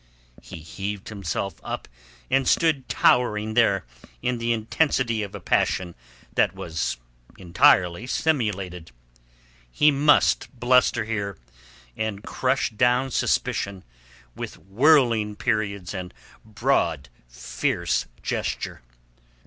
He heaved himself up and stood towering there in the intensity of a passion that was entirely simulated. He must bluster here, and crush down suspicion with whorling periods and broad, fierce gesture.